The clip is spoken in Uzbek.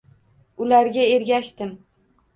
Ularga ergashdim